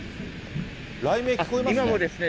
雷鳴聞こえますね。